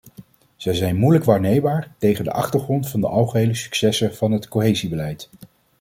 Zij zijn moeilijk waarneembaar tegen de achtergrond van de algehele successen van het cohesiebeleid.